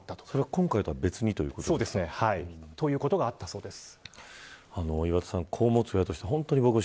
今回とは別にということですか。ということがあったそうです。